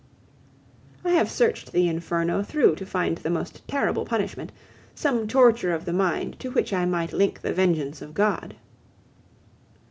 I have searched the Inferno through to find the most terrible punishment, some torture of the mind to which I might link the vengeance of God.